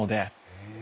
へえ。